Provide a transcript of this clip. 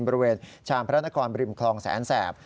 บริเวณชามพระนครบริมคลองแสนแสบ